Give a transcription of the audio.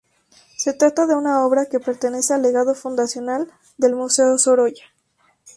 Se trata de una obra que pertenece al legado fundacional del Museo Sorolla.